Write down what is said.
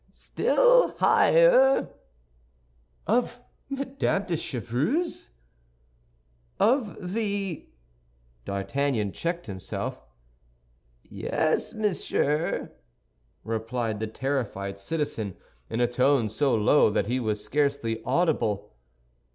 "Still higher." "Of Madame de Chevreuse?" "Higher, much higher." "Of the—" D'Artagnan checked himself. "Yes, monsieur," replied the terrified citizen, in a tone so low that he was scarcely audible.